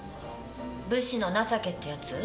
武士の情けってやつ？